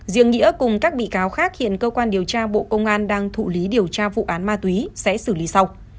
riêng nghĩa cùng các bị cáo khác hiện cơ quan điều tra bộ công an đang thụ lý điều tra vụ án ma túy sẽ xử lý sau